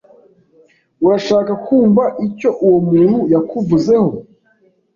Urashaka kumva icyo uwo muntu yakuvuzeho?